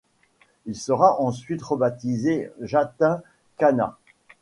Il sera ensuite rebaptisé Jatin Khanna.